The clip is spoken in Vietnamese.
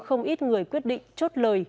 không ít người quyết định chốt lời